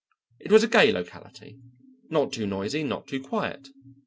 It was a gay locality, not too noisy, not too quiet.